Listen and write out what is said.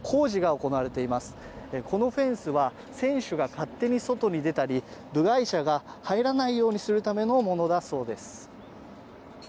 このフェンスは選手が勝手に外に出たり部外者が入らないようにするためのものだそうです。